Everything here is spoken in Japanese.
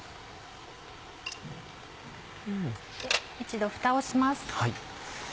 一度ふたをします。